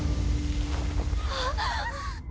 あっ！